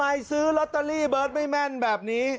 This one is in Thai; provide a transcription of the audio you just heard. ซื้อลอตเตอรี่เบิร์ตไม่แม่นแบบนี้